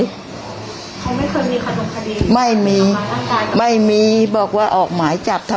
เขาไม่เคยมีขบวนคดีไม่มีไม่มีบอกว่าออกหมายจับเท่า